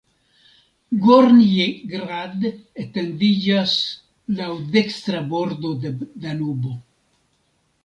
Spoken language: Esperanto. Gornji Grad etendiĝas laŭ dekstra bordo de Danubo.